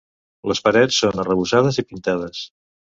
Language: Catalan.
Les parets són arrebossades i pintades.